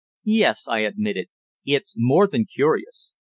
"Yes," I admitted. "It's more than curious.